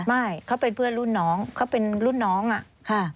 ไม่เขาเป็นเพื่อนรุ่นน้องเขาเป็นรุ่นน้องอ่ะค่ะ